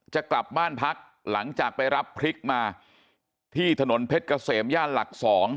จะกลับบ้านพักหลังจากไปรับพริกมาที่ถนนเพชรเกษมย่านหลัก๒